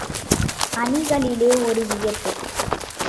அணிகளிலே ஒரு வியப்பு.